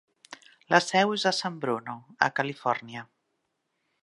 La seu és a San Bruno, a Califòrnia.